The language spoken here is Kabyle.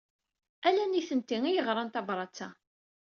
Ala nitenti ay yeɣran tabṛat-a.